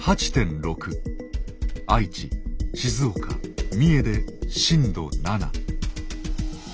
愛知静岡三重で震度７。